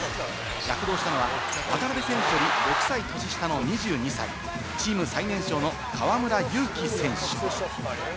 躍動したのは渡邊選手より６歳年下の２２歳、チーム最年少の河村勇輝選手。